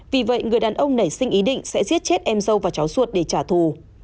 vì vậy người đàn ông nảy sinh ý định sẽ giết chết em dâu và cháu ruột để trả thù